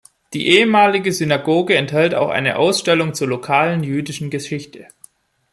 Die ehemalige Synagoge enthält auch eine Ausstellung zur lokalen jüdischen Geschichte.